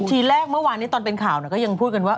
ทีแรกเมื่อวานนี้ตอนเป็นข่าวก็ยังพูดกันว่า